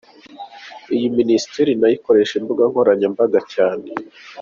Iyi Minisiteri na yo ikoresha imbuga nkoranyambaga cyane.